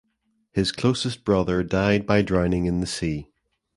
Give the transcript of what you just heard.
His closest brother died by drowning in the sea.